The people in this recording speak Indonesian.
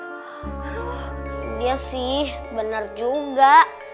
aduh iya sih bener juga